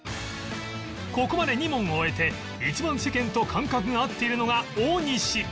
ここまで２問を終えて一番世間と感覚が合っているのが大西